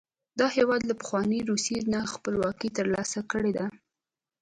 دا هېواد له پخوانۍ روسیې نه خپلواکي تر لاسه کړې ده.